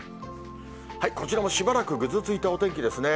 こちらもしばらくぐずついたお天気ですね。